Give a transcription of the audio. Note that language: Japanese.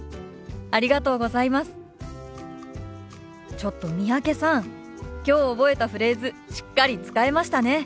ちょっと三宅さんきょう覚えたフレーズしっかり使えましたね。